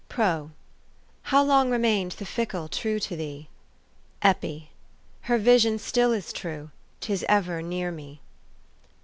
PRO :" How long remained the fickle true to thee? " EPI: Her vision still is true : 'tis ever near me."